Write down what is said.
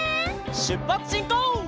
しゅっぱつしんこう！